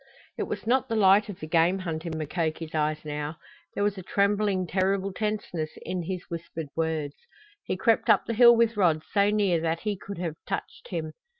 It was not the light of the game hunt in Mukoki's eyes now; there was a trembling, terrible tenseness in his whispered words. He crept up the hill with Rod so near that he could have touched him.